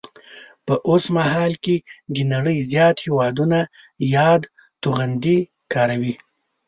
په اوسمهال کې د نړۍ زیات هیوادونه یاد توغندي کاروي